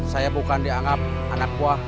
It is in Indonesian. saya bukan dianggap anak buah